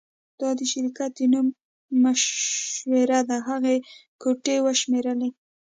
دا د شرکت د نوم مشوره ده هغې ګوتې وشمیرلې